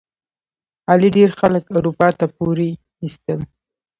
علي ډېر خلک اروپا ته پورې ایستل.